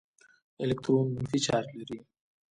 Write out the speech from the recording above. الکترون منفي چارج لري.